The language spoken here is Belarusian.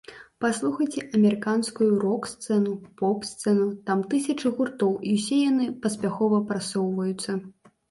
Паслухайце амерыканскую рок-сцэну, поп-сцэну, там тысячы гуртоў, і ўсе яны паспяхова прасоўваюцца.